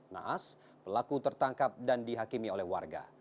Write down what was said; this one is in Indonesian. naas pelaku tertangkap dan dihakimi oleh warga